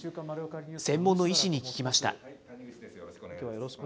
専門の医師に聞きました。